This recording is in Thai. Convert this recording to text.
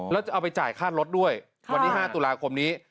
แล้วจะเอาไปจ่ายค่ารถด้วยวันที่๕ตุลาคมนี้